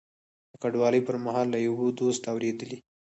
د کډوالۍ پر مهال له یوه دوست اورېدلي.